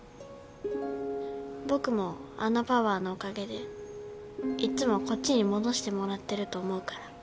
僕もあのパワーのおかげでいっつもこっちに戻してもらってると思うから。